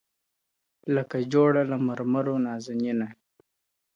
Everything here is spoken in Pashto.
لکه جوړه له مرمرو نازنینه٫